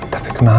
tapi kenapa ya